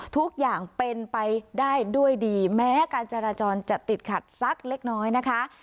ทุกอย่างเป็นไปได้ด้วยดีแม้การจราจรจะติดขัดสักเล็กน้อยนะคะ